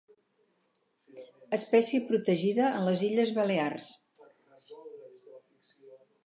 Espècie protegida en les Illes Balears.